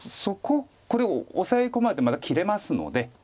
そここれオサエ込まれてまた切れますので。